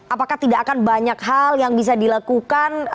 apakah tidak akan banyak hal yang bisa dilakukan